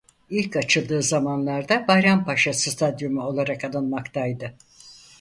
İlk açıldığı zamanlarda "Bayrampaşa Stadyumu" olarak anılmaktaydı.